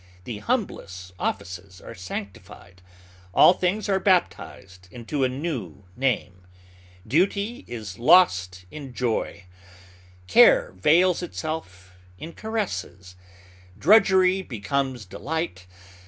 The humblest offices are sanctified. All things are baptized into a new name. Duty is lost in joy. Care veils itself in caresses. Drudgery becomes delight.